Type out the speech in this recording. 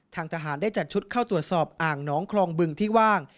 ทางทหารได้จัดชุดเข้าตรวจสอบอ่างน้องคลองบึงที่ว่าง